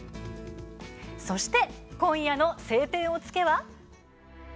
そして今夜の「青天を衝け」は。